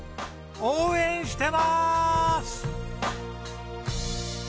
応援してまーす！